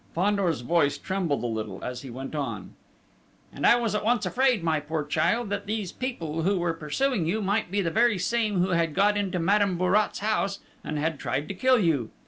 Fandor's voice trembled a little, as he went on: "And I was at once afraid, my poor child, that these people who were pursuing you, might be the very same who had got into Madame Bourrat's house, and had tried to kill you....